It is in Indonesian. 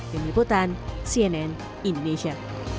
dengan ikutan cnn indonesia